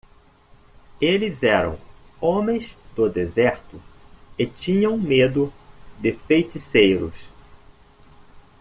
Eles eram homens do deserto e tinham medo de feiticeiros.